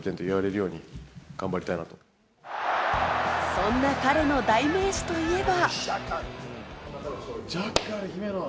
そんな彼の代名詞といえば。